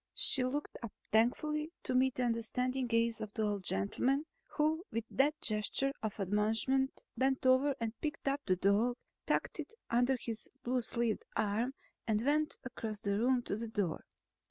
She looked up thankfully to meet the understanding gaze of the old gentleman who with that gesture of admonishment bent over and picked up the dog, tucked it under his blue sleeved arm and went across the room to the door.